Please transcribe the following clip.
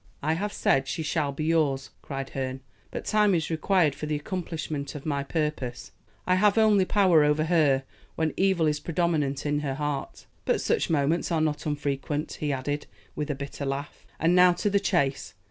"I have said she shall be yours," cried Herne; "but time is required for the accomplishment of my purpose. I have only power over her when evil is predominant in her heart. But such moments are not unfrequent," he added, with a bitter laugh. "And now to the chase.